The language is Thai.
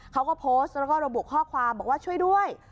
เขาก็โพสต์แล้วก็ระบุข้อความบอกว่าช่วยด้วย